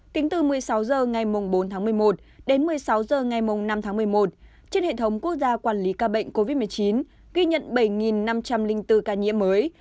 tính từ một mươi sáu h ngày bốn tháng một mươi một đến một mươi sáu h ngày năm tháng một mươi một trên hệ thống quốc gia quản lý ca bệnh covid một mươi chín ghi nhận bảy năm trăm linh bốn ca nhiễm mới